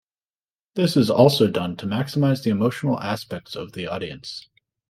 This is also done to maximize the emotional aspects for the audience.